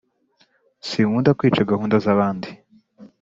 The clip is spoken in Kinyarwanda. Sinkunda kwica gahunda zabandi